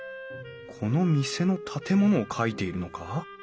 この店の建物を描いているのか？